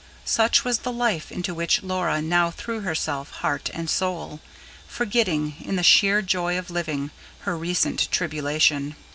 Such was the life into which Laura now threw herself heart and soul, forgetting, in the sheer joy of living, her recent tribulation.